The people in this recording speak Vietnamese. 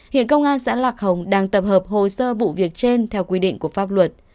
hiện công an xã lạc hồng đang tập hợp hồ sơ vụ việc trên theo quy định của pháp luật